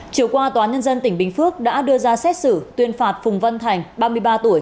chiều qua tòa nhân dân tỉnh bình phước đã đưa ra xét xử tuyên phạt phùng văn thành ba mươi ba tuổi